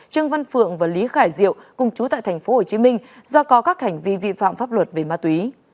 trương văn phượng và lý khải diệu cùng chú tại thành phố hồ chí minh do có các hành vi vi phạm pháp luật về ma túy